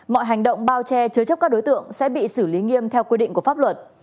mọi hành động bao che chứa chấp các đối tượng sẽ bị xử lý nghiêm theo quy định của pháp luật